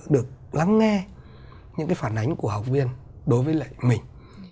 được lắng nghe những cái phản ánh của học viên đối với lại mình